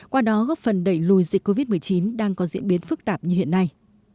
qua đó góp phần đẩy lùi dịch covid một mươi chín đang có diễn biến phức tạp như hiện nay